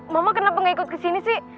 mama kenapa gak ikut kesini sih